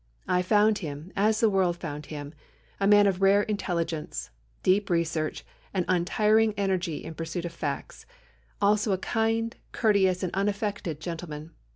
I found him as the world has found him a man of rare intelligence, deep research, and untiring energy in pursuit of facts: also a kind, courteous, and unaffected gentleman.